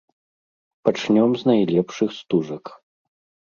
Пачнём з найлепшых стужак.